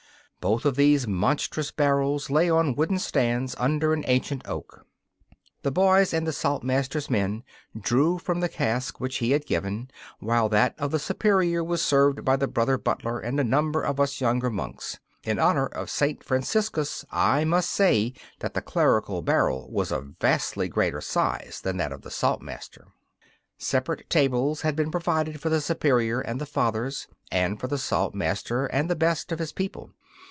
Both of these monstrous barrels lay on wooden stands under an ancient oak. The boys and the Saltmaster's men drew from the cask which he had given, while that of the Superior was served by the brother butler and a number of us younger monks. In honour of Saint Franciscus I must say that the clerical barrel was of vastly greater size than that of the Saltmaster. Separate tables had been provided for the Superior and the Fathers, and for the Saltmaster and the best of his people.